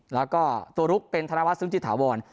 แล้วก็ตัวลุกเป็นธนวัฒนซึ้งจิตถาวร